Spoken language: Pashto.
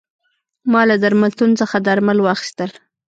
ما له درملتون څخه درمل واخیستل.